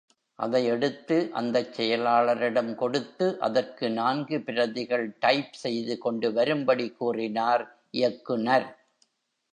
அதை எடுத்து அந்தச் செயலாளரிடம் கொடுத்து, அதற்கு நான்கு பிரதிகள் டைப்செய்து கொண்டு வரும்படி கூறினார் இயக்குநர்.